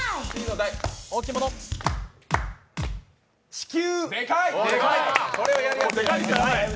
地球。